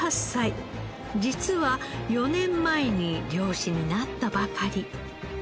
実は４年前に漁師になったばかり。